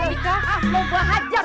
dika ah lu gue ajar